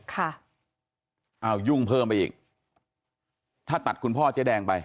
ค่ะอ้าวยุ่งเพิ่มไปอีกถ้าตัดคุณพ่อเจ๊แดงไป